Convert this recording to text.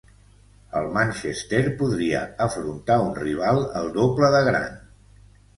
El Manchester podria afrontar un rival el doble de gran.